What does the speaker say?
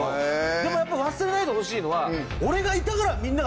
でもやっぱ忘れないでほしいのは。